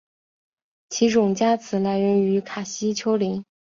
其种加词来源于卡西丘陵。